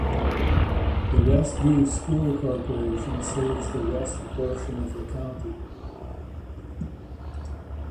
The Westview School Corporation serves the west portion of the county.